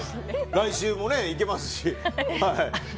来週もいけますし。